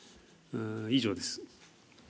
以上です。